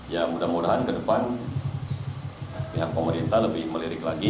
ya mudah mudahan ke depan pihak pemerintah lebih melirik lagi